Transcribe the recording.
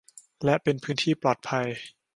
และเป็นพื้นที่ปลอดภัย